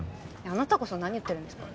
あなたこそ何言ってるんですか？